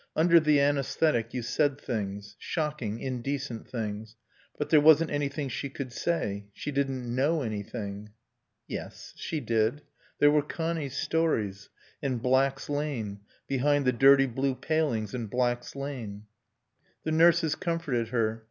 Under the anæsthetic you said things. Shocking, indecent things. But there wasn't anything she could say. She didn't know anything.... Yes. She did. There were Connie's stories. And Black's Lane. Behind the dirty blue palings in Black's Lane. The nurses comforted her.